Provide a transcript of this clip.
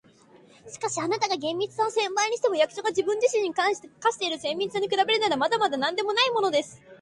「しかし、あなたがその厳密さを千倍にしても、役所が自分自身に対して課している厳密さに比べるなら、まだまだなんでもないものです。